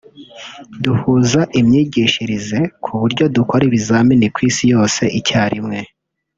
duhuza imyigishirize ku buryo dukora ibizamini ku isi yose icyarimwe